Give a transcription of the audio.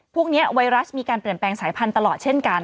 พวกนี้ไวรัสมีการเปลี่ยนแปลงสายพันธุ์ตลอดเช่นกัน